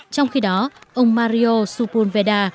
trong khi đó ông mario supunvedeo